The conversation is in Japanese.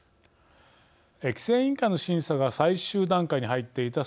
規制委員会の審査が最終段階に入っていた